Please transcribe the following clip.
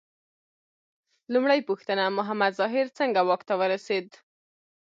لومړۍ پوښتنه: محمد ظاهر څنګه واک ته ورسېد؟